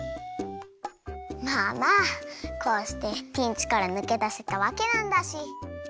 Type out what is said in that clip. まあまあこうしてピンチからぬけだせたわけなんだし。